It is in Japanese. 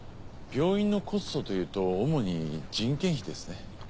病院のコストというと主に人件費ですね。